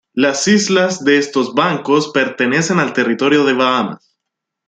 Las islas de estos bancos pertenecen al territorio de Bahamas.